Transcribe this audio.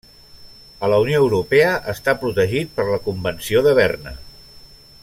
A la Unió Europea està protegit per la Convenció de Berna.